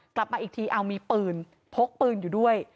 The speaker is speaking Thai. กลับมาอีกทีเอามีปืนพกปืนอยู่ด้วย